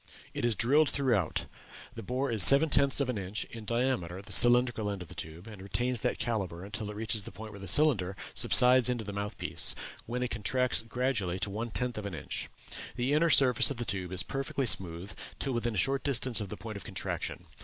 It is drilled throughout; the bore is seven tenths of an inch in diameter at the cylindrical end of the tube, and retains that calibre until it reaches the point where the cylinder subsides into the mouth piece, when it contracts gradually to one tenth of an inch. The inner surface of the tube is perfectly smooth till within a short distance of the point of contraction.